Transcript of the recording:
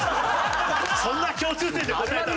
そんな共通点で答えたのかよ。